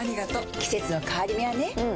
季節の変わり目はねうん。